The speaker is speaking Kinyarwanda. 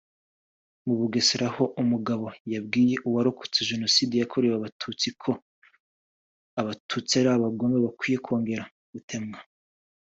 Mu Bugesera ho umugabo yabwiye uwarokotse Jenoside yakorewe Abatutsi ko “Abatutsi ari abagome bakwiye kongera gutemwa